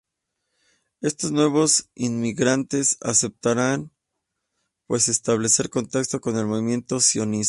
Estos nuevos inmigrantes aceptaron pues establecer contactos con el movimiento sionista.